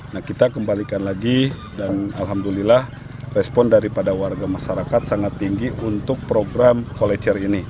nah kita kembalikan lagi dan alhamdulillah respon daripada warga masyarakat sangat tinggi untuk program kolecer ini